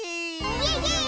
イエイイエーイ！